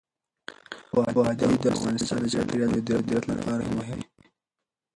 وادي د افغانستان د چاپیریال د مدیریت لپاره مهم دي.